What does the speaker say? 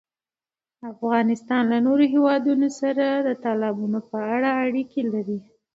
افغانستان له نورو هېوادونو سره د تالابونو په اړه اړیکې لري.